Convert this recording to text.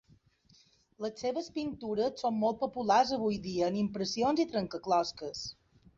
Les seves pintures són molt populars avui dia en impressions i trencaclosques.